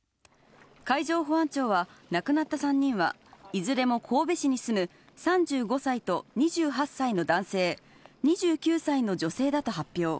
海上保安庁は、亡くなった３人は、いずれも神戸市に住む３５歳と２８歳の男性、２９歳の女性だと発表。